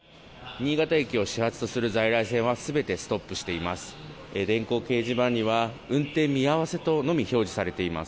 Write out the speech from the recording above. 新潟駅を始発とする在来線は全てストップしています。